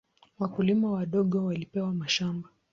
Wakulima wadogo walipewa mashamba.